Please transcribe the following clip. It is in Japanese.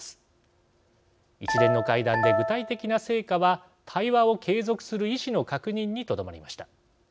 一連の会談で具体的な成果は対話を継続する意思の確認にとどまりました。